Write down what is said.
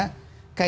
kaitannya kok jadi